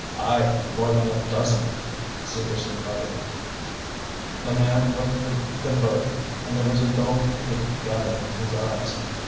"Aye, more than a dozen," Segerson muttered. The man looked at them both and there was a dull hate gathering in his eyes.